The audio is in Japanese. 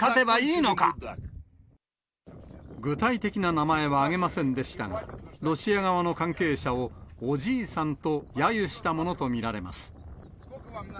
具体的な名前は挙げませんでしたが、ロシア側の関係者をおじいさんとやゆしたものと見られます。